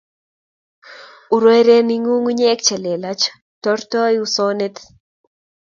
Urereni ngungunyek che lelach tortoi usonet